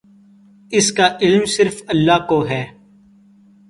اس کا علم صرف اللہ کو ہے۔